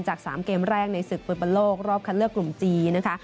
จาก๓เกมแรกในศึกฟุตบอลโลกรอบคัดเลือกกลุ่มจีนนะคะ